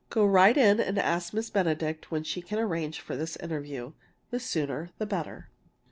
Go right in and ask Miss Benedict when she can arrange for this interview the sooner, the better!"